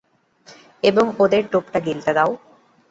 এবং ওদের টোপটা গিলতে দাও।